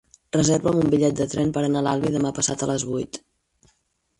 Reserva'm un bitllet de tren per anar a l'Albi demà passat a les vuit.